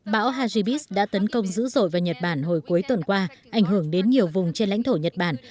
bão hajibis đã tấn công dữ dội vào nhật bản hồi cuối tuần qua ảnh hưởng đến nhiều vùng trên lãnh thổ nhật bản